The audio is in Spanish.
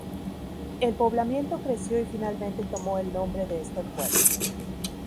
El poblamiento creció y finalmente tomó el nombre de este fuerte.